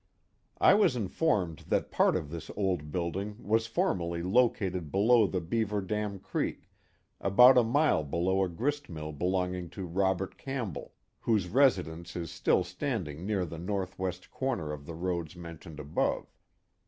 I was informed that part of this old building was formerly located below the Beaver Dam Creek about a mile below a grist mill belonging to Robert Campbell, whose residence is still standing near the northwest corner of the roads mentioned above.